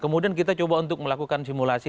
kemudian kita coba untuk melakukan simulasi